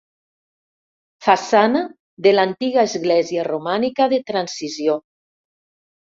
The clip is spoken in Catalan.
Façana de l'antiga església romànica de transició.